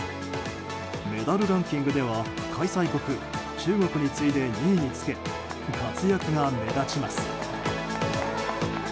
メダルランキングでは開催国・中国に次いで２位につけ、活躍が目立ちます。